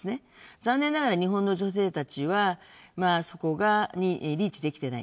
残念ながら日本の女性は、そこにリーチできてない。